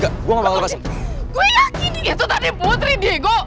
gue yakin itu tadi putri digo